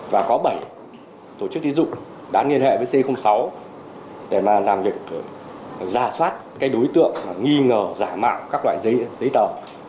và có bảy tổ chức tín dụng đã liên hệ với c sáu để mà làm việc giả soát cái đối tượng nghi ngờ giả mạo các loại giấy tờ